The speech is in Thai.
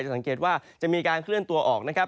สังเกตว่าจะมีการเคลื่อนตัวออกนะครับ